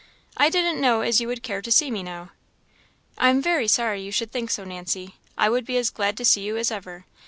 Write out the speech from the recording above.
"I didn't know as you would care to see me now." "I am very sorry you should think so, Nancy; I would be as glad to see you as ever.